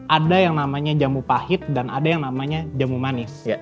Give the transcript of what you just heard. ada yang namanya jamu pahit dan ada yang namanya jamu manis